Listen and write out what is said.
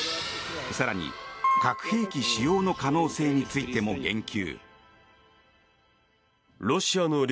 更に、核兵器使用の可能性についても言及。